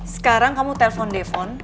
sekarang kamu telepon depon